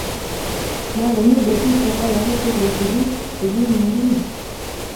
Makomii betusiek alake che kesigu, sigun nguni